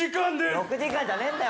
６時間じゃねえんだよ